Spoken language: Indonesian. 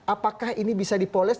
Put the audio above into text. apakah ini bisa dipoles